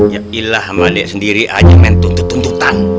ya allah malek sendiri aja main tuntut tuntutan